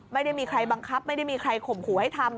ไม่ได้มีใครบังคับไม่ได้มีใครข่มขู่ให้ทำ